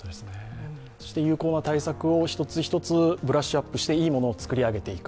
有効な対策を一つ一つブラッシュアップしていいものを作り上げていく。